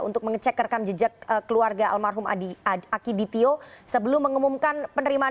untuk mengecek rekam jejak keluarga almarhum akiditio sebelum mengumumkan penerimaan